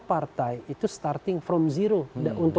karena kita harus mengatakan kepentingan kita